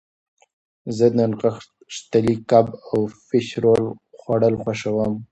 زه د نغښتلي کب او فش رول خوړل خوښوم.